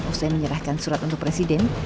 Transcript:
usai menyerahkan surat untuk presiden